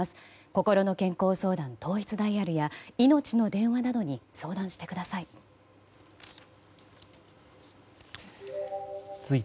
こころの健康相談統一ダイヤルやいのちの電話などに相談してください。